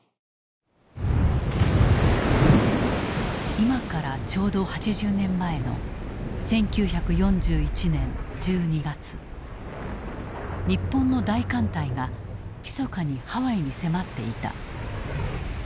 今からちょうど８０年前の日本の大艦隊がひそかにハワイに迫っていた。